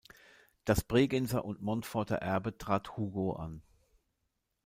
Das Bregenzer und Montforter Erbe trat Hugo an.